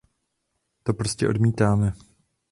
To prostě odmítáme!